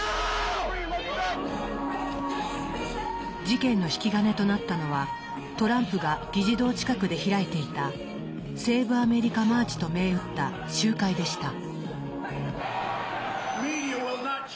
事件の引き金となったのはトランプが議事堂近くで開いていた「ＳＡＶＥＡＭＥＲＩＣＡＭＡＲＣＨ」と銘打った集会でした。